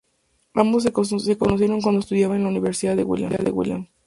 Ambos se conocieron cuando estudiaban en la universidad de Williams.